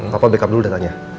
papa backup dulu datanya